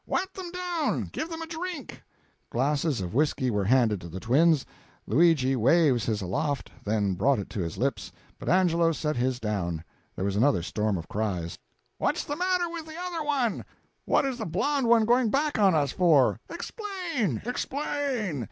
Wet them down! Give them a drink!" Glasses of whisky were handed to the twins. Luigi waved his aloft, then brought it to his lips; but Angelo set his down. There was another storm of cries: "What's the matter with the other one?" "What is the blond one going back on us for?" "Explain! Explain!"